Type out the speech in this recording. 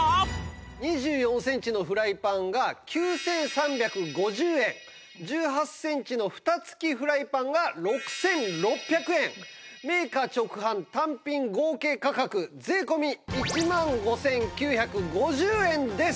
２４センチのフライパンが９３５０円１８センチの蓋付きフライパンが６６００円メーカー直販単品合計価格税込１万５９５０円です。